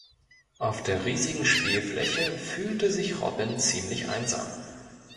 Auf der riesigen Spielfläche fühlte sich Robin ziemlich einsam.